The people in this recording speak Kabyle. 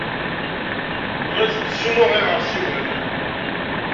Ur asent-d-ssunuɣeɣ iɣersiwen.